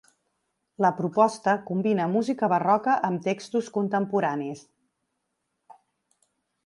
La proposta combina música barroca amb textos contemporanis.